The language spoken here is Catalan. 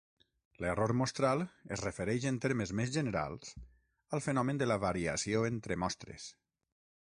L'error mostral es refereix en termes més generals al fenomen de la variació entre mostres.